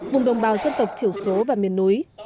vùng đồng bào dân tộc thiểu số và miền núi